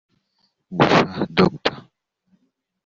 gusa Dr